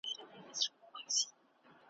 ږغ ته د زمري به د ګیدړو ټولۍ څه وايی`